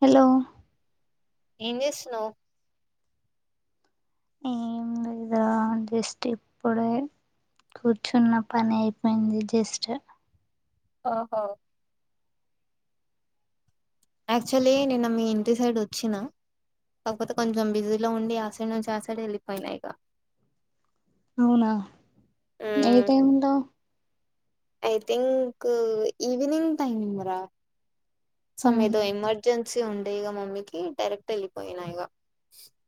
Hello ఇన్ని స్ ను అద స్క్ప్పుడ కూర్చున్న పని అయిపోయింది జస్ట్ ఆఓహో యాక్చువల్లీ నిన్న మీ ఇంటి సైడ్ వచ్చినా కాకపోతే కొంచెం బిజీలో ఉండి ఆశయ నుంచి చేశాడ వెళ్ళిపోయినా ఇక అవునా ఏ టైంలో ఐ థింక్ ఈవెనింగ్ టైమ్ంగ్రా సమ్ ఏదో ఉహు ఎమర్జెన్సీ ఉండేగా మమ్మీకి డైరెక్ట్ వెళ్ళిపోయినా ఇక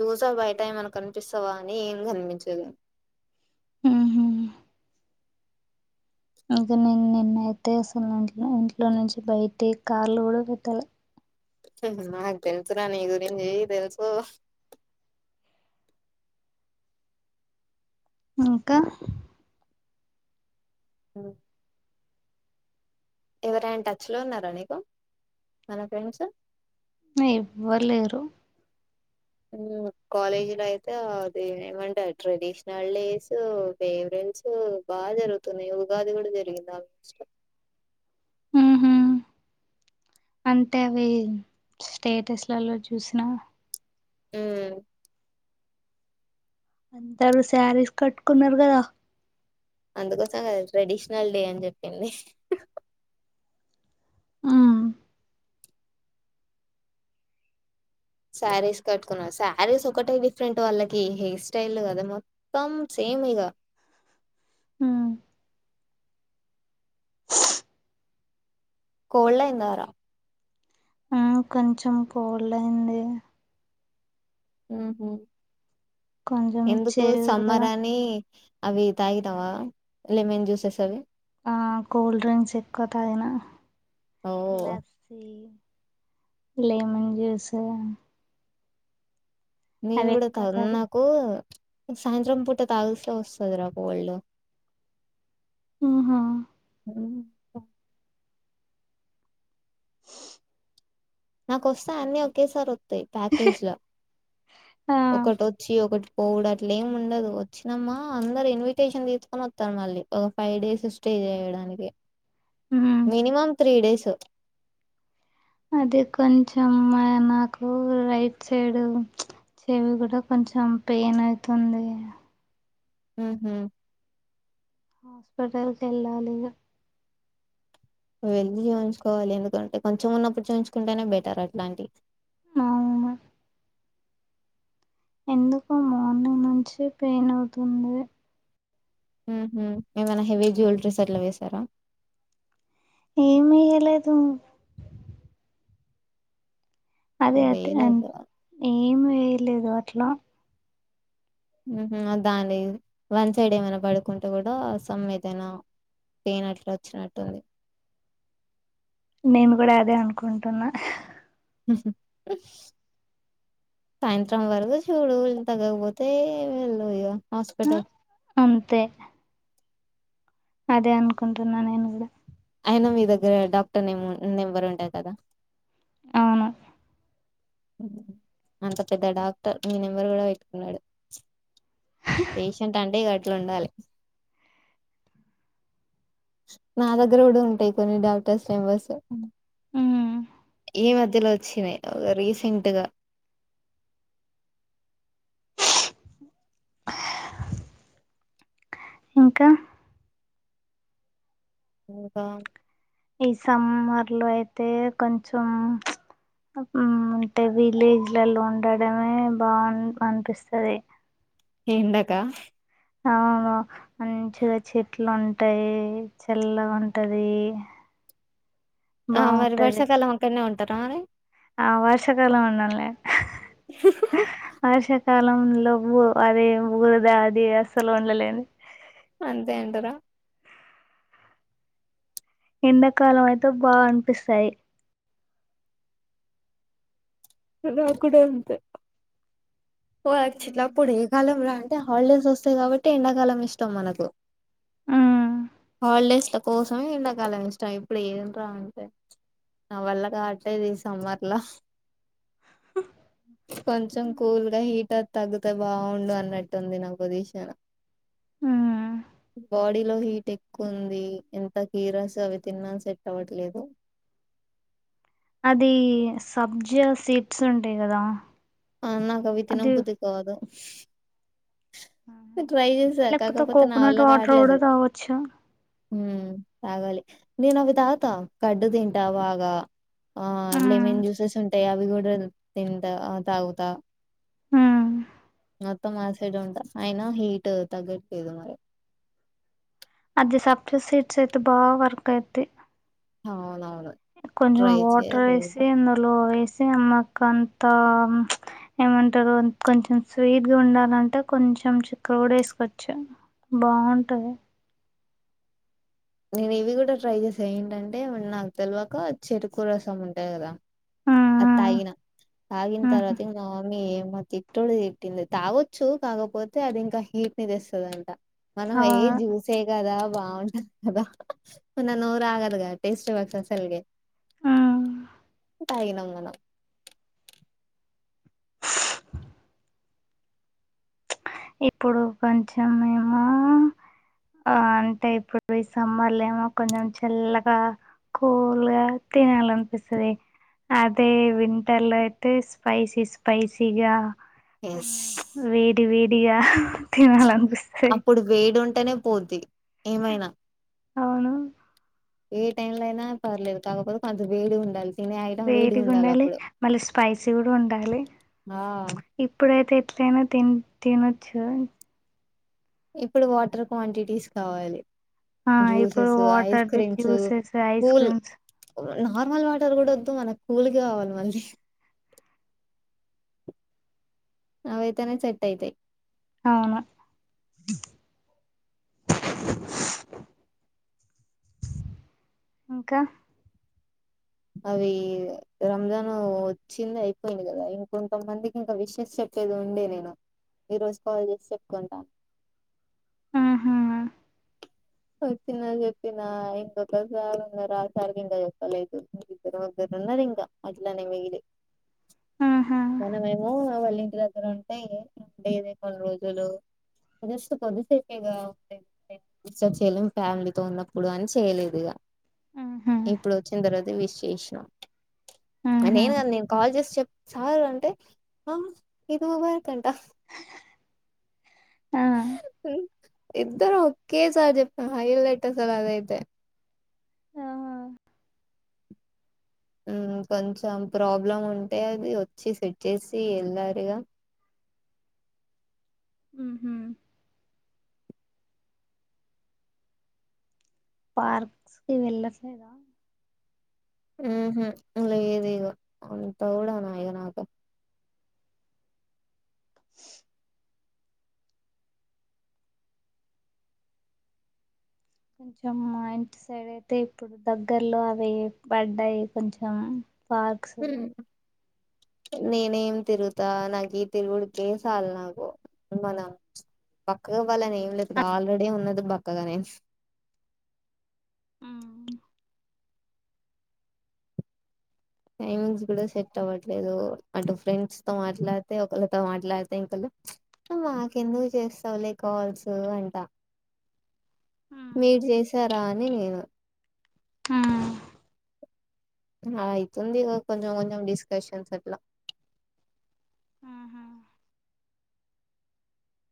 చూసా బయట ఏమనకు కనిపిస్తావా అని ఏం కనిపించదు ఇక నేను నిన్నయితే అసలు ఇం ఇంట్లో నుంచి బయటి కార్లు కూడా పెట్టాలి హుమ్ నాకు తెలుసు రా నీ గురించి తెలుసు ఇంకా ఆహ్ ఎవరైన్ టచ్లో ఉన్నారా నీకు మన ఫ్రెండ్స్ అ ఎవ్వలేరు మ్ కాలేజీ లో అయితే అది ఏమంటారు ట్రెడిషనల్ డేసు ఫేవరేట్ డేసు బాగా జరుగుతున్నాయి ఉగాది కూడా జరిగింది ఆఫీసులో ఉహు అంటే అవి స్టేటస్లలో చూసిన హుమ్ అందరూ శారీస్ కట్టుకున్నరు కదా అందుకోసంకదా ట్రెడిషనల్ డే అని చెప్పింది ఆ శారీస్ కట్టుకున్నారు శారీస్ ఒకట డిఫరెంట్ వాళ్ళకి హెయిర్ స్టైల్ కదా మొత్తం సే ఇవేగ ఆ కోల్డ్ అయిందర అ కొంచెం కోల్డ్ అయింది హుహు కొంచెం ఎందుకు చెవి సమ్మర్ కూడా అని అవి తాగితావా లెమన్ జ్యూసెస్ అవి ఆ కుల్డ్రింగ్క్స్ ఎక్కువ తాగిన ఓహ్! లస్సీ లేమన్ జూసూ నేను కూడా తాగను తాగి నాకు సాయంత్రం పూట తగుస్తే వస్తది రా కోల్డ్ ఆహా ఏమీకా నాకోస్తే అన్ని ఒకేసారి వత్తాయ్ ప్యాకేజ్ల ఆ ఒకటొచ్చి ఒకట్ పోవుడు అట్లేమి ఉండదు వచ్చినమా అందరు ఇన్విటేషన్ తీసుకొనత్తరు మళ్ళీ ఒక ఫైవ్ డేస్ స్టే టే చేయడానికి ఉమ్ మినిమమ్ త్రీ డేస్. అది కొంచం మర్ నాకు రైట్ సైడ్ చెవి కూడా కొంచెం పెయినయితుంది. మ్ హు హాస్పిటల్ కెళ్ళాలిగ వెళ్ళి చూయించుకోవాలి ఎందుకంటే కొంచెం ఉన్నప్పుడు చూయించుకుంటేనే బెటర్ అట్లాంటివి. అవును ఎందుకో మార్నింగ్ నుంచి పెయినవుతుంది. హ్మ్ హు ఏమైనా హెవీ జ్యువెలరీస్ అట్లా వేసారా ఏమేయ్యలేదు. ఓ అదైతే వేయలేదు ఏం వేయలేదు అట్ల మ్మ్ హు దాన్ని వన్ సైడ్ ఏమైనా పడుకుంటే కూడా సమ్ ఏదైనా పెయినట్లోచ్చినట్టుంది. నేను కూడా అదే అనుకుంటున్నా. హుహుమ్ సాయంత్రం వరకు చూడు ఇంక తగ్గకపోతే వేళ్ళు ఇగ హాస్పిటల్ అంతే అదే అనుకుంటున్నా నేను కూడా అయినా మీ దగ్గర డాక్టర్ నేమ్ నెంబరు ఉంటాయ్ కదా అవును. అంత పెద్ద డాక్టర్ మీ నెంబరు కూడా పెట్టుకున్నాడు. పేషెంట్ అంటే గట్లుండాలి. నా దగ్గర కూడా ఉంటాయి కొన్ని డాక్టర్స్ నెంబర్స్. ఉమ్ ఈ మధ్యలో చ్చినయ్ రీసెంట్గా హా ఇంకా ఇంకా ఈ సమ్మర్లో అయితే కొంచెం మ్మ్ అంటే విలేజ్లలో ఉండడమే బాగ అనిపిస్తది. ఎండకా అవును. మంచిగా చెట్లుంటయి చెల్లగుంటది. ఆ మరి వర్షాకాలం అక్కన్నే ఉంటారానే ఆ వర్షకాలం ఉండంలే. ఆ వర్ష కాలంలో బు అదే బురదా అది అస్సలు ఉండలేన్ అంతే అంటరా ఎండాకాలం అయితే బాగనిపిస్తాయి. నాక్కూడా అంతే. వారు చిన్నప్పుడుఏ కాలం రా అయితే హాలిడేస్ వస్తాయి కాబట్టి ఎండాకాలం ఇష్టం మనకు ఉమ్ హాలిడేస్ల కోసమే ఎండాకాలం ఇష్టం ఇప్పుడు ఏంట్రా అంటే నా వల్ల కావట్లే ది సమ్మర్ల కొంచెం ఉమ్ కూల్గా హీట తగ్గు తే బాగుండు అన్నట్టుంది నా పొజిషన్. ఉమ్. బాడీ లో హీట్ ఎక్కువుంది. ఎంత కీరాస్ అవి తిన్నా సెట్ అవ్వట్లేదు. [unintelligible] అది సబ్జా సీడ్స్ ఉంటాయి కదా. ఆ అది నాకవితినబుద్ధి కాదు. ట్రై చేసా లేకపోతే కాకపోతే నా కోకోనట్ వల్ల వాటర్ కూడా కావట్లేదు. తాగొచ్చు హ్మ్ తాగలి నేనవి తాగ్తా కర్డు తింటా బాగా ఆ ఉమ్, లెమన్ జ్యూసెస్ ఉంటాయి అవి కూడా తింటా తాగుతా. హ్మ్. మొత్తం ఆసిడ్ ఉంటా అయినా హీట్ తగట్లేదు మరి. అది సబ్జా సీట్స్ అయితే బాగా వర్క్ అయితయ్. అవునవును. కొంచెం ట్రై వాటర్ చేయాలి ఏసి అందులో వేస్. అమ్మక్క అంతా ఏమంటారు కొంచెం స్వీట్గా ఉండాలంటే కొంచం. కొంచం చిక్ర కుడా వేసుకోవచ్చు బాగుంటది. నేను ఇవి కూడా ట్రై చేసా ఏంటంటే నాకు తెలివక చెరుకు రసం ఉంటాయి కదా. ఉమ్, అది తాగిన. తాగిన ఉమ్, ఉమ్. తర్వాత ఇగ మామ్మీ ఇమ్మ తిట్టుడు తిట్టింది తాగొచ్చు కాకపోతే అది ఇంకా హి. తేస్తదంట మనం ఏ అవును జూసే కదా వా. మన నోరు ఆగదుగా టేస్ట్ చూ అసల్కీ. ఉమ్. తాగినం మనం. ఇప్పుడు కొంచెమేమో. ఆ అంటే ఇప్పుడు ఈ సమ్మర్లో ఏమో కొంచెం చల్లగా. కూల్ గా తినాలనిపిస్తది. అదే వింటర్ లో అయితే స్పైసీ స్పైసీగా. ఎస్ వేడి వేడిగా తినాలనిపిస్తాది. తినేకొద్ది ఏమైనా. అవును. ఏ టైమ్ లో అయినా పర్లేదు కాకపోతే కొంత వేడి ఉండాలి. తినే ఐటం వేడిగా ఉండాలి అప్పుడు మళ్ళీ స్పైసీ కూడా ఉండాలి ఆ ఇప్పుడైతే. ఎట్లైనా తిన్ తినొచ్చు. ఇప్పుడు వాటర్ క్వాంటిటీస్ కావాలి. ఆ ఇప్పుడు జ్యూసస్ ఐస్ వాటర్ది creams juices ice cool. Creams normal water కూడా వద్దు మనకు కూల్గా కావాలి మళ్ళీ. అవైతనే సెట్ అయితే. అవును. ఇంకా. అవి రంజాన్ వచ్చింది అయిపోయింది కదా ఇంకొంతమందికి ఇంకా విషెస్ చెప్. లేదు ఉండె నేను ఈ రోజు కాల్ చేసి చెప్పుకుంటా. ఆహా. వచ్చినా అని చెప్పిన ఇంకోక సార్ ఉన్నాడు ఆ సార్ కి ఇంకా చెప్పలేదు. అట్లున్నది ఇంకా అట్లనే మిగిలి ఆహా మనమేమో వాళ్ళ ఇంటిదగ్గర ఉం. టె ఉండేది కొన్ని రోజులు జస్ట్ కొద్దిసేపేగా ఉండేది ఉండేది. చేయలే ఫ్యామిలీతో ఉన్నప్పుడు అని చేయలేదు ఇగా ఆహా ఇప్పుడు వచ్చిన తర్వాత. విష్ చేసిన ఆ ఆహా నేను కాదు నేను కాల్ చేసి. చెప్ సారు అంటే ఆ ఇది బారుతంట. ఆ ఇద్దరం ఒకేసారి చెప్పిన హైలెట్ అస్సలు అదైతే. ఆ కొంచెం ప్రాబ్లం ఉంటే అది వచ్చి సెట్ చేసి వెళ్లారుగా. ఉహు. పార్క్స్ కి వెళ్ళట్లేదా. ఉహు లేదు ఇగ అంతా కూడానా ఇగ నాకు. కొంచెం మా ఇంటి సైడ్ అయితే ఇప్పుడు దగ్గర్లో అవి పడ్డాయి కొంచెం. పార్క్స్. ఉమ్, నేనేం తిరుగుతా నాకు తిరుగుడికే చాల నాకు మనం. బక్కగా అవ్వాలి అని ఏం లేదు ఆల్రెడీ ఉన్నది బక్కగా నే టైమింగ్స్ కూడా సెట్ అవ్వట్లేదు అటు ఫ్రెండ్స్ తో మాట్లాడితే ఒకరితో మాట్లాడితే ఇంకోలు వ్ మాకెందుకు చేస్తావులే కాల్స్ అంటా మీరు చేశారా అని నేను హ్మ అయితుంది కొంచం కొంచం డిస్కషన్స్ అట్లా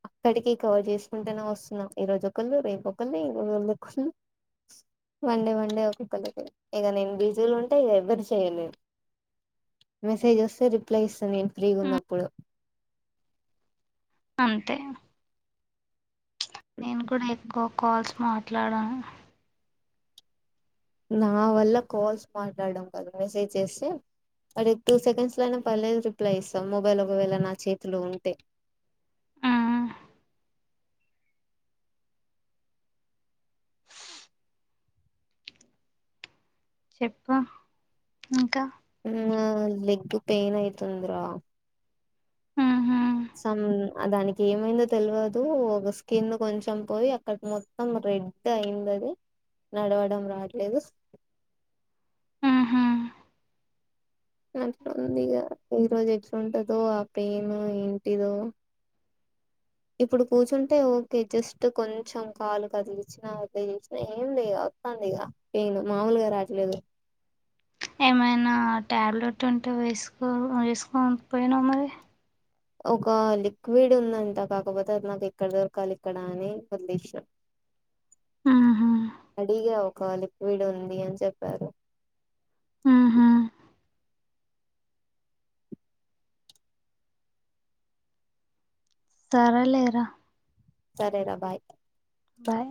అక్కడికి కవర్ చేసుకుంటనే వస్తున్నా ఈ రోజు ఒకళ్ళు రేపుొళ్ళు ఈ రోజుకు ఒకళ్ళు వండే వండే ఒకోక్కలికి ఇక నేను బిజి లో ఉంటే ఇక ఎవరికి చేయను మెసేజ్ వస్తే రిప్లై ఇస్తాను నేను ఫ్రీగా ఉన్నప్పుడు అంతే నేను కూడా ఎక్కువ కాల్స్ మాట్లాడాను నా వల్ల కాల్స్ మాట్లాడం కాద మెసేజ్ చేస్తే అదే టూ సెకండ్స్ లో అయినా పర్లేదు రిప్లై ఇస్తాం మొబైల్ ఒకవేళ నా చేతిలో ఉంటే చెప్పు ఇంకా హ్మ్ లేగ్ పైయిన్ యితుంద్ర ఉహు సమ్ దానికి ఏమైందో తెలియదు ఒక స్కిన్ కొంచెం పోయి అక్కడ మొత్తం రెడ్ అయింది అది నడవడం రాట్లేదు ఉహు మంటగా ఉందిగా ఈ రోజు ఎట్లుంతాడ్దో ఆ పెయిన్ ఏంటిదో ఇప్పుడు కూర్చుంటే ఓకే జస్ట్ కొంచెం కాలు కదిలిచ్చినా అట్లా చేస్న ఏం లేదు ఉందిగా పేన్ మామూలుగా రాటలేదు ఏమైనా టాబ్లెట్ ఉంటే వేసుకో వేసుకోం పోయినా మరి ఒక లిక్విడ్ ఉందంట కాకపోతే అది నాకు ఎక్కడ దొరకాలి ఇక్కడ అని వదిలేస్న ఉహు అడిగా ఒక లిక్విడ్ ఉంది అని చెప్పారు ఉహు సరే లేరా సరేరా బాయ్ బాయ్